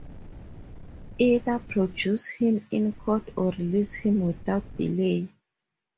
Either produce him in court or release him without delay.